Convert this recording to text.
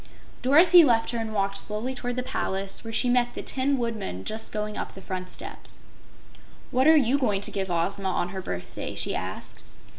Dorothy left her and walked slowly toward the place, where she met the Tin Woodman just going up the front steps. "What are you going to give Ozma on her birthday?" she asked.